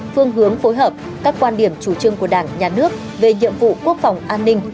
phương hướng phối hợp các quan điểm chủ trương của đảng nhà nước về nhiệm vụ quốc phòng an ninh